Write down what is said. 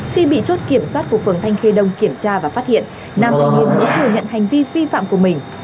khi bị chốt kiểm soát của phường thanh khê đông kiểm tra và phát hiện nam thanh niên mới thừa nhận hành vi vi phạm của mình